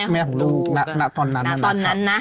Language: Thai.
แม่ของลูกณะตอนนั้นน่ะ